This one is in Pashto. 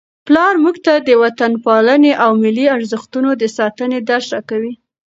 پلار موږ ته د وطنپالنې او ملي ارزښتونو د ساتنې درس راکوي.